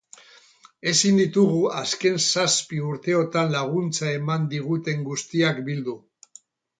Ezin ditugu azken zazpi urteotan laguntza eman diguten guztiak bildu.